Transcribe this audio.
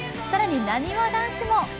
更に、なにわ男子も。